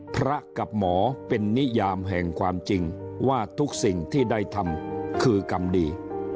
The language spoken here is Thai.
พระกับหมอเป็นนิยามแห่งความจริงว่าทุกสิ่งที่ได้ทำคือกรรมดี